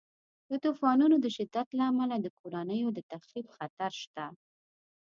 د طوفانونو د شدت له امله د کورنیو د تخریب خطر شته.